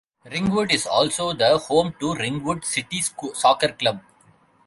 Ringwood is also the home to Ringwood City Soccer Club.